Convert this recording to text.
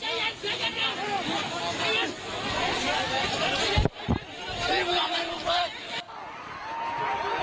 พอเร็วถอยไป